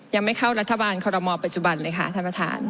ยังไม่เข้ารัฐบาลคอรมอลปัจจุบันเลยค่ะท่านประธาน